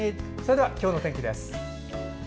では、今日の天気です。